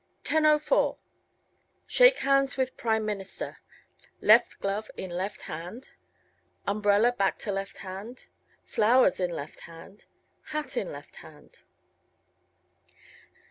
10:04 Shake hands with Prime Minister. Left glove in left hand. Umbrella back to left hand. Flowers in left hand. Hat in left hand.